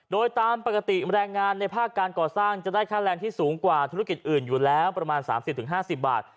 โดยตามปกติแรงงานในภาคการก่อสร้างจะได้ค่าแรงที่สูงกว่าธุรกิจอื่นอยู่แล้วประมาณ๓๐๕๐บาท